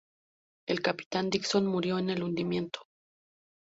El capitán Dickson murió en el hundimiento.